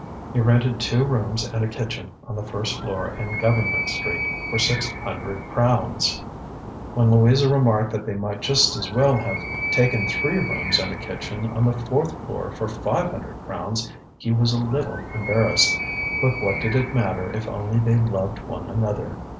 He rented two rooms and a kitchen on the first floor in Government Street, for six hundred crowns. When Louisa remarked that they might just as well have taken three rooms and a kitchen on the fourth floor for five hundred crowns, he was a little embarrassed; but what did it matter if only they loved one another?